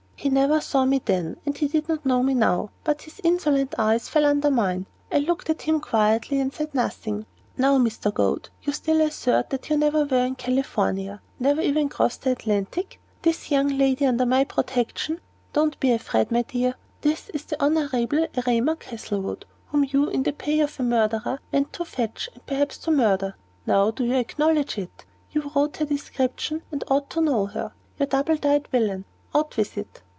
He never saw me then, and he did not know me now; but his insolent eyes fell under mine. I looked at him quietly, and said nothing. "Now, Mr. Goad, you still assert that you never were in California never even crossed the Atlantic. This young lady under my protection don't you be afraid, my dear is the Honorable Erema Castlewood, whom you, in the pay of a murderer, went to fetch, and perhaps to murder. Now, do you acknowledge it? You wrote her description, and ought to know her. You double dyed villain, out with it!"